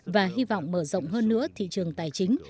và hy vọng mở rộng hơn nữa thị trường tài chính